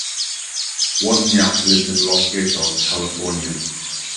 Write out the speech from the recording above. Wozniak lives in Los Gatos, California.